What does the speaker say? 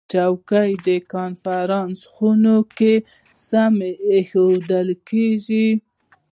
چوکۍ د کنفرانس خونه کې سمې ایښودل کېږي.